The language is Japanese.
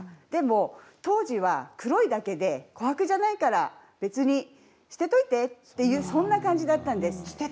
でも当時は黒いだけで琥珀じゃないから別にしてておいてというそんな感じだったんです。